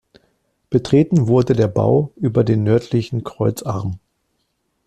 Betreten wurde der Bau über den nördlichen Kreuzarm.